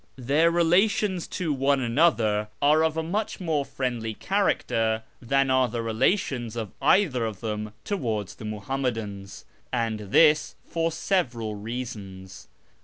Their relations to one another are of a much more friendly character than are the relations of either of them towards the Muhammadans, and this for several reasons.